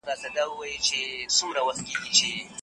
تاسو به د خپل استعداد څخه په سمه توګه کار اخلئ.